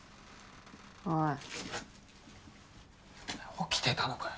起きてたのかよ。